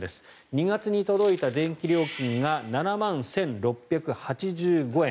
２月に届いた電気料金が７万１６８５円。